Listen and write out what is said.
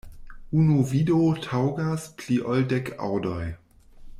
Unu vido taŭgas pli ol dek aŭdoj.